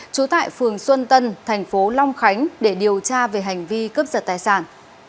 trú tại phường xuân tân tp long khánh để điều tra về hành vi cướp giật tài sản